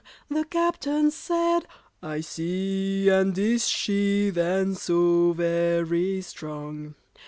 the Captain said, "I see! And is she then so very strong?"